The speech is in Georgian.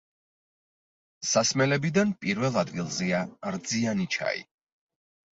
სასმელებიდან პირველ ადგილზეა რძიანი ჩაი.